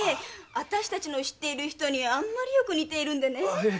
私たちの知ってる人にあんまりよく似てるんでね。